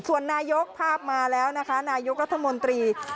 ส่วนนายกภาพมาแล้วนะคะนายกรัฐมนตรี